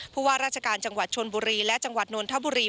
ผู้ว่าราชการจังหวัดชนบุรีและจังหวัดนนทบุรี